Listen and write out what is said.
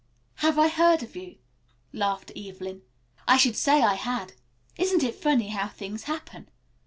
"Have I heard of you?" laughed Evelyn. "I should say I had. Isn't it funny how things happen?